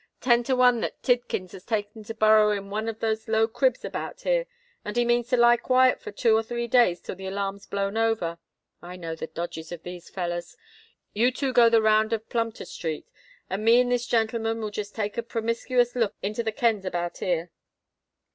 Ten to one that Tidkins has taken to burrow in one of the low cribs about here; and he means to lie quiet for two or three days till the alarm's blown over. I know the dodges of these fellers. You two go the round of Plumptre Street; and me and this gentleman will just take a promiscuous look into the kens about here."